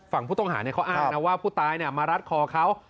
ฝั่งผู้ต้องหาเขาอ้างนะว่าผู้ตายมารัดคอเขา